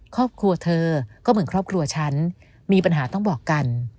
ครอบครัวเธอก็เหมือนครอบครัวฉันมีปัญหาต้องบอกกัน